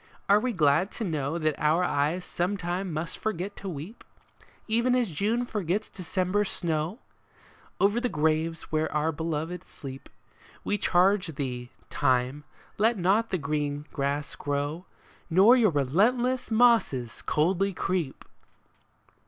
Are we glad to know That our eyes sometime must forget to weep, Even as June forgets December's snow ? Over the graves where our beloved sleep, We charge thee. Time, let not the green grass grow, Nor your relentless mosses coldly creep